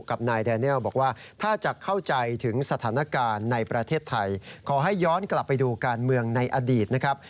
ขอให้ย้อนกลับไปดูการเมืองในอดีตนะครับ